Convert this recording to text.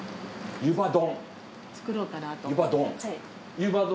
ゆば丼？